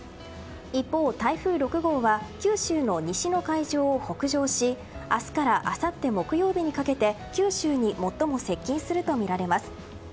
一方、台風６号は九州の西の海上を北上し明日からあさって木曜日にかけて九州に最も接近するとみられます。